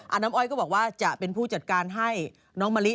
น้ำอ้อยก็บอกว่าจะเป็นผู้จัดการให้น้องมะลิ